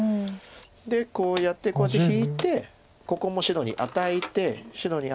でこうやってこうやって引いてここも白に与えて。